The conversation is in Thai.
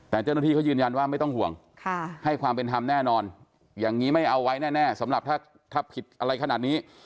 แต่เจ้าหน้าที่เขายืนยันว่าไม่ต้องห่วงให้ความเป็นธรรมแน่นอนอย่างนี้ไม่เอาไว้แน่สำหรับถ้าผิดอะไรขนาดนี้